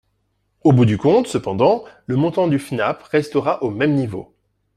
Au bout du compte, cependant, le montant du FNAP restera au même niveau.